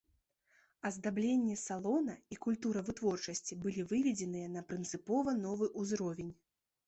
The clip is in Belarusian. Аздабленне салона і культура вытворчасці былі выведзеныя на прынцыпова новы ўзровень.